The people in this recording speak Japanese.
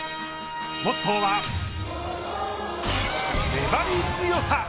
モットーは、粘り強さ。